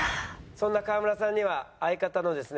そんな川村さんには相方のですね